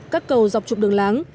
các cầu dọc trục đường láng